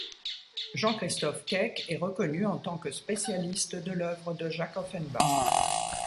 Jean-Christophe Keck est reconnu en tant que spécialiste de l’œuvre de Jacques Offenbach.